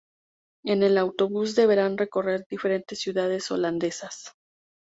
En el autobús deberán recorrer diferentes ciudades holandesas.